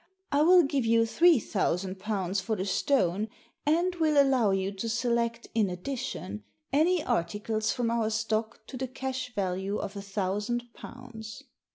I will give you three thousand pounds for the stone, and will allow you to select, in addition, any articles from our stock to the cash value of a thousand pounds."